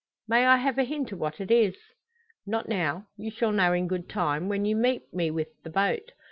"May I have a hint o' what it is?" "Not now; you shall know in good time when you meet me with the boat.